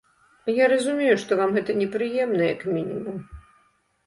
Я разумею, што вам гэта непрыемна, як мінімум.